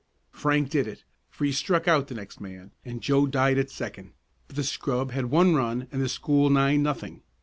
Frank did it, for he struck out the next man, and Joe died at second. But the scrub had one run and the school nine nothing.